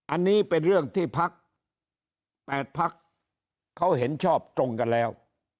อันนี้เป็นเรื่องที่พัก๘พักเขาเห็นชอบตรงกันแล้ว